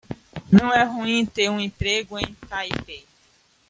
Não é ruim ter um emprego em Taipei.